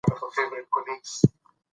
ماشومان د لوبو له لارې خپل غوسه کنټرولوي.